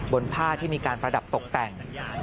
บนผ้าที่มีการประดับตกแต่ง